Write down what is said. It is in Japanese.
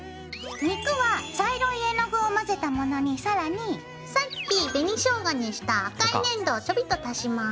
肉は茶色い絵の具を混ぜたものに更にさっき紅ショウガにした赤い粘土をちょびっと足します。